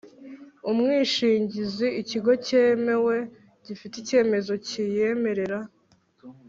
umwishingizi: ikigo cyemewe gifite icyemezo kiyemerera